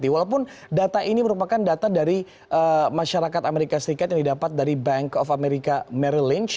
walaupun data ini merupakan data dari masyarakat amerika serikat yang didapat dari bank of america marylinche